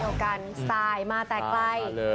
เดียวกันสไตล์มาแต่ไกล